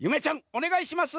おねがいします！